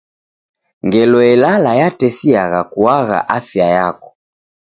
Ngelo elala yatesiagha kuagha afia yako.